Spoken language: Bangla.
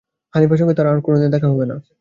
হানিফার সঙ্গে তাঁর আর কোনোদিন দেখা হবে না।